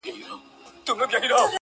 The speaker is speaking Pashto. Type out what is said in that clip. شپه تر سهاره مي لېمه په الاهو زنګوم،